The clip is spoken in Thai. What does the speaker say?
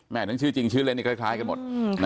แหม่งทั้งชื่อจริงชื่อเล่นคล้ายกันหมด